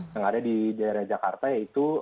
yang ada di daerah jakarta yaitu